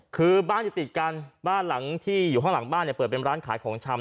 คือบ้านอยู่ติดกันบ้านหลังที่อยู่ข้างหลังบ้านเนี่ยเปิดเป็นร้านขายของชำ